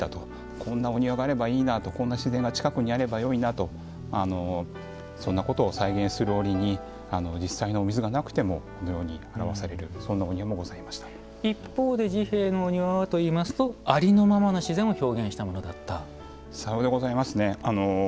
こんなお庭があればいいなとこんな自然が近くにあればいいなとそんなことを再現する折に実際のお水がなくてもこのように表される一方で治兵衛のお庭はといいますとありのままの自然をさようでございますね。